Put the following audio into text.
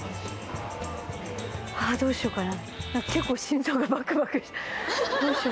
どうしようかな。